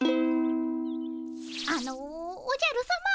あのおじゃるさま。